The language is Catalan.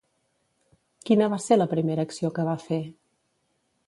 Quina va ser la primera acció que va fer?